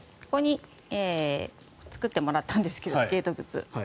ここに作ってもらったんですけどスケート靴。